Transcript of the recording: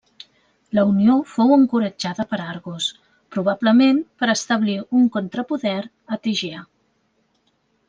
La unió fou encoratjada per Argos, probablement per establir un contrapoder a Tegea.